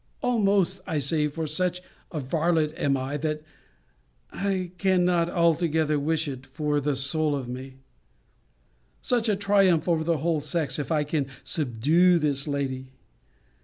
Almost, I say; for such a varlet am I, that I cannot altogether wish it, for the soul of me! Such a triumph over the whole sex, if I can subdue this lady!